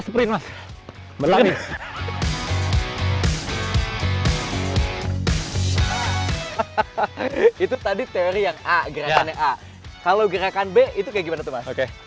sprint mas menangis itu tadi teori yang a gerakannya a kalau gerakan b itu kayak gimana tuh mas oke